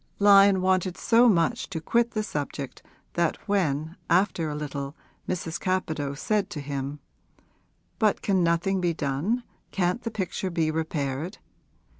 Lyon wanted so much to quit the subject that when after a little Mrs. Capadose said to him, 'But can nothing be done, can't the picture be repaired?